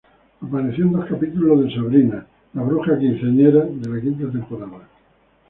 Apareció en dos capítulos de Sabrina, the teenage witch de la quinta temporada.